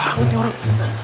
seru banget nih orang